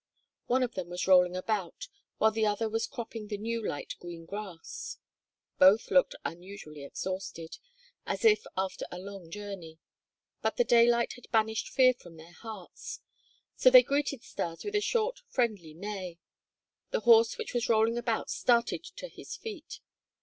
One of them was rolling about, while the other was cropping the new light green grass. Both looked unusually exhausted, as if after a long journey. But the daylight had banished fear from their hearts, so they greeted Stas with a short, friendly neigh. The horse which was rolling about started to his feet.